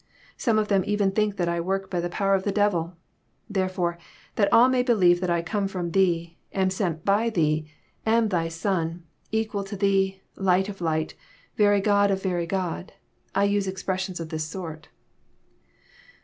Some of them even think that I work by the power of the devil. Therefore that all may believe that I come from Thee, am sent by Thee, am Thy Son, equal to Thee, light of light, very God of very God, I use expressions of this sort."